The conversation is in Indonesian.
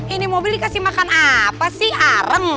ini mau beli kasih makan apa sih areng